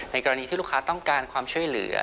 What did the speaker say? กรณีที่ลูกค้าต้องการความช่วยเหลือ